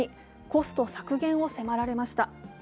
コスト削減を迫られました。